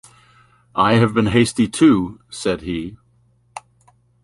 ‘I have been hasty, too,’ said he.